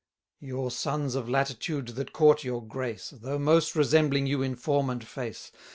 Your sons of latitude that court your grace, 160 Though most resembling you in form and face.